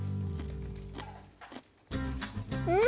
うん！